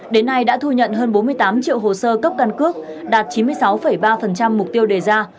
đến nay đã thu nhận hơn bốn mươi tám triệu hồ sơ cấp căn cước đạt chín mươi sáu ba mục tiêu đề ra